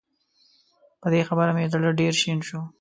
په دې خبره مې زړه ډېر شين شو